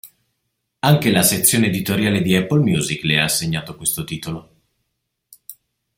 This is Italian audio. Anche la sezione editoriale di Apple Music le ha assegnato questo titolo.